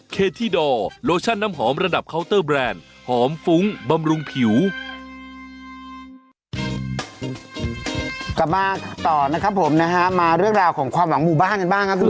กลับมาต่อนะครับผมนะฮะมาเรื่องราวของความหวังหมู่บ้านกันบ้างครับคุณผู้ชม